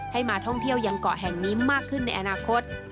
มาท่องเที่ยวยังเกาะแห่งนี้มากขึ้นในอนาคต